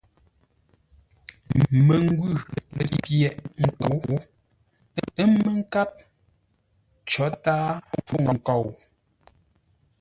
Məngwʉ̂ lə̂ pyə̂ghʼ ńkóʼ, ə́ mə́ nkáp; có tǎa pfûŋ nkou.